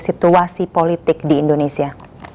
situasi politik di indonesia